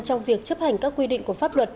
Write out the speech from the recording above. trong việc chấp hành các quy định của pháp luật